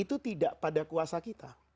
itu tidak pada kuasa kita